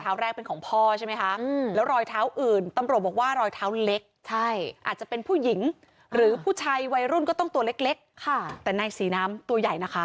อาจจะเป็นผู้หญิงหรือผู้ชายวัยรุ่นก็ต้องตัวเล็กค่ะแต่ในศรีน้ำตัวใหญ่นะคะ